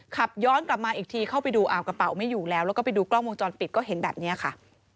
ขับย้อนกลับมาอีกทีเข้าไปดูอ่าวกระเป๋าไม่อยู่แล้วแล้วก็ไปดูกล้องวงจรปิดก็เห็นแบบนี้ค่ะ